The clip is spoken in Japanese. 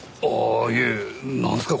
いえなんすか？